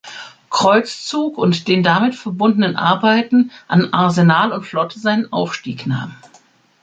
Kreuzzug und den damit verbundenen Arbeiten an Arsenal und Flotte seinen Aufstieg nahm.